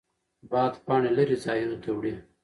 باد پاڼې لرې ځایونو ته وړي.